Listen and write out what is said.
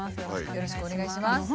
よろしくお願いします。